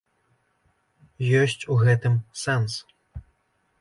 Ёсць у гэтым сэнс.